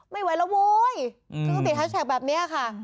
ไม่ไหวแล้วโว้ยถึงต้องติดแฮชแท็กแบบนี้ค่ะ